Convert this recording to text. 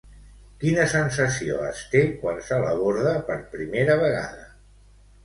Quina sensació es té quan se l'aborda per primera vegada?